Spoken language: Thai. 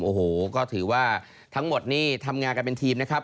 โอ้โหก็ถือว่าทั้งหมดนี่ทำงานกันเป็นทีมนะครับ